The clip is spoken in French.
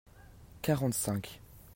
quarante cinq.